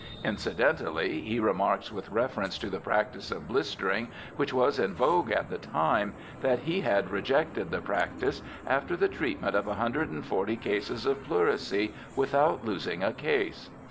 Incidentally he remarks with reference to the practice of blistering which was in vogue at the time, that he had rejected the practice after the treatment of 140 cases of pleurisy without losing a case.